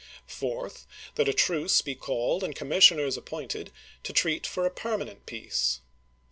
Fourth, That a truce be called and commissioners appointed to treat for a permanent peace.